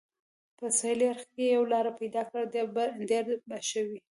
په سهېلي اړخ کې یوه لار پیدا کړل، ډېر به ښه وي.